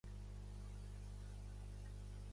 Quina decisió ha pres Gent de Compromís?